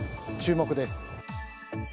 注目です。